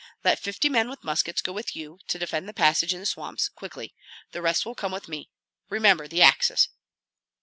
Let fifty men with muskets go with you to defend the passage in the swamps, quickly; the rest will come with me. Remember the axes."